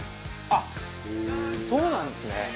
あっそうなんですね。